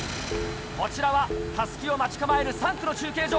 こちらは襷を待ち構える３区の中継所。